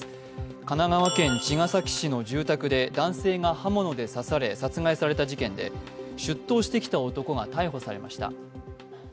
神奈川県茅ヶ崎市の住宅で男性が刃物で刺され殺害された事件で出頭してきた男が逮捕されました。